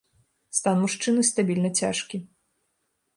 Стан мужчыны стабільна цяжкі.